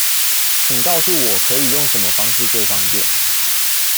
請告訴我可以用什麼方式最方便